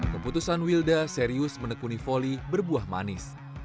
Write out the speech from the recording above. keputusan wilda serius menekuni volley berbuah manis